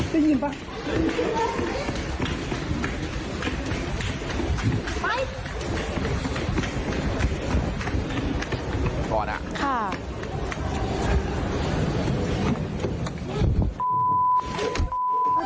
ก็เหมือนกับทุกคนที่อยู่ในเหตุการณ์นะครับ